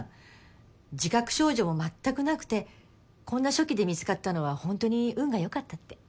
自覚症状もまったくなくてこんな初期で見つかったのはホントに運が良かったって。